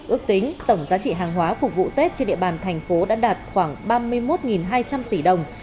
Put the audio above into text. ước tính tổng giá trị hàng hóa phục vụ tết trên địa bàn thành phố đã đạt khoảng ba mươi một hai trăm linh tỷ đồng